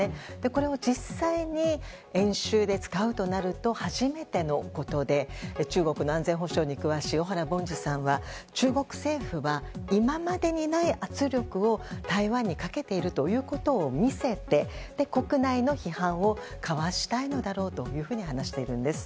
これを実際に演習で使うとなると初めてのことで中国の安全保障に詳しい小原凡司さんは中国政府は今までにない圧力を台湾にかけているということを見せて、国内の批判をかわしたいのだろうと話しています。